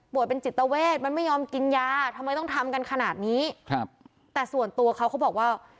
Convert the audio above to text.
เป็นจิตเวทมันไม่ยอมกินยาทำไมต้องทำกันขนาดนี้ครับแต่ส่วนตัวเขาเขาบอกว่า